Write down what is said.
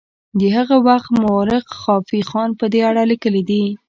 د هغه وخت مورخ خافي خان په دې اړه لیکلي دي.